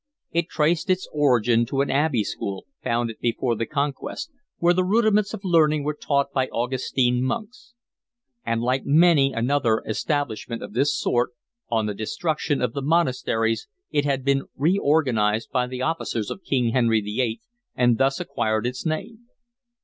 It traced its origin to an abbey school, founded before the Conquest, where the rudiments of learning were taught by Augustine monks; and, like many another establishment of this sort, on the destruction of the monasteries it had been reorganised by the officers of King Henry VIII and thus acquired its name.